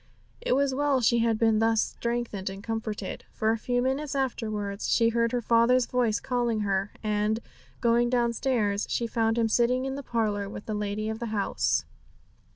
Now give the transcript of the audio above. It was well she had been thus strengthened and comforted, for a few minutes afterwards she heard her father's voice calling her, and, going downstairs, she found him sitting in the parlour with the lady of the house.